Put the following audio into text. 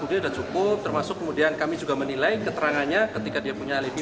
budaya dan cukup termasuk kemudian kami juga menilai keterangannya ketika dia punya lebih